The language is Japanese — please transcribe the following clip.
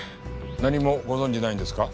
何もご存じないんですか？